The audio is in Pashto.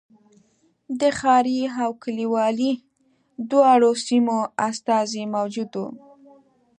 د ښاري او کلیوالي دواړو سیمو استازي موجود و.